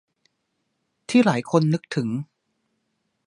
ที่หลายคนนึกถึง